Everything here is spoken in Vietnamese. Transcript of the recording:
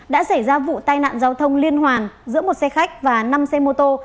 đã xảy ra vụ tai nạn giao thông liên hoàn giữa một xe khách và năm xe mô tô